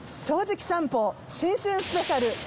『正直さんぽ』新春スペシャル。